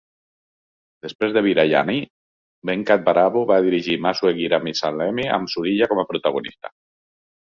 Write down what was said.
Després de "Biriyani", Venkat Prabhu va dirigir "Massu Engira Masilamani" amb Suriya com a protagonista.